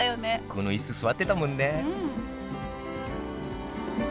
この椅子座ってたもんねうん！